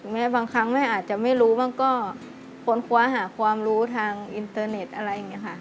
บางครั้งแม่อาจจะไม่รู้บ้างก็ค้นคว้าหาความรู้ทางอินเตอร์เน็ตอะไรอย่างนี้ค่ะ